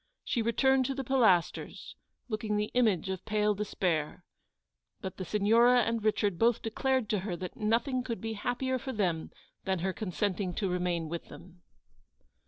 She returned to the Pilasters, looking the image of MRS. BANNISTER HOLDS OUT A HELPING HAND. 201 pale despair j but the Signora and Richard both declared to her that nothing could be happier for them than her consenting to remain with them.